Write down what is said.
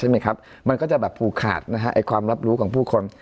มันก็จะผูกขาดความรับรู้ของผู้คน